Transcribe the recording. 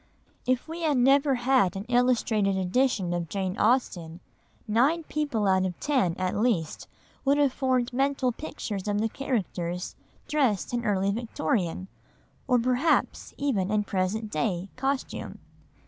If we had never had an illustrated edition of Jane Austen, nine people out of ten at least would have formed mental pictures of the characters dressed in early Victorian, or perhaps even in present day, costume.